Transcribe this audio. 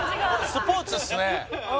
スポーツっすね。